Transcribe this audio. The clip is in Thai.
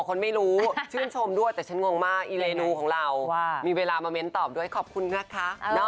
ไปชมชอตนี้กันเลยค่ะ